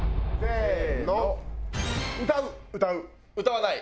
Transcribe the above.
「歌わない」。